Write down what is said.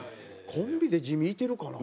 コンビで地味いてるかな？